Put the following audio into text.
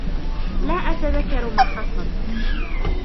لا أتذكر ما حصل.